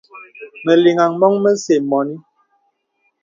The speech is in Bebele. Məlìŋà mɔ̄ŋ məsə mɔ̄nì.